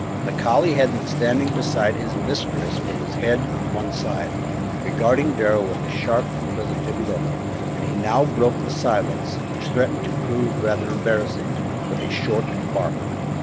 The collie had been standing beside his mistress with his head on one side, regarding Darrell with a sharp, inquisitive look, and he now broke the silence, which threatened to prove rather embarrassing, with a short bark.